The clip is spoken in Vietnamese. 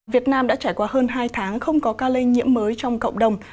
việt nam đã trải qua hơn hai tháng không có ca lây nhiễm mới trong cộng đồng